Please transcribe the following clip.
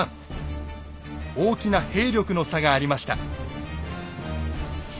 大きな兵力の差がありました。